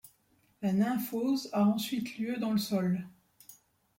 La nymphose a ensuite lieu dans le sol.